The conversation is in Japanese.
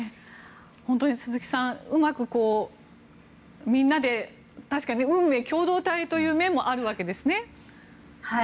本当に、鈴木さんうまく、みんなで運命共同体という面もあるわけですね。